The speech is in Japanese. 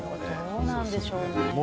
どうなんでしょうね。